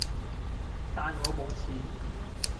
但我冇錢